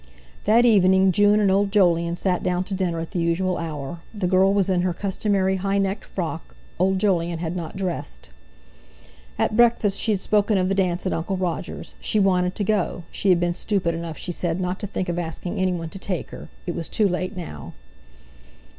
That evening June and old Jolyon sat down to dinner at the usual hour. The girl was in her customary high necked frock, old Jolyon had not dressed. At breakfast she had spoken of the dance at Uncle Roger's, she wanted to go; she had been stupid enough, she said, not to think of asking anyone to take her. It was too late now.